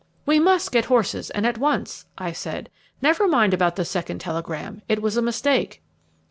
"We must get horses, and at once," I said. "Never mind about the second telegram; it was a mistake."